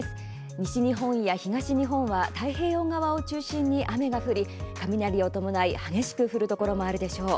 西日本や東日本は太平洋側を中心に雨が降り雷を伴い激しく降るところもあるでしょう。